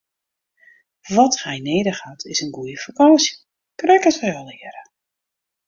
Wat hy nedich hat is in goede fakânsje, krekt as wy allegearre!